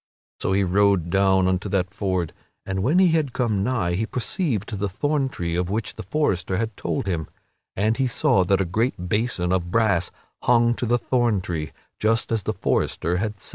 So he rode down unto that ford, and when he had come nigh he perceived the thorn tree of which the forester had told him, and he saw that a great basin of brass hung to the thorn tree, just as the forester had said.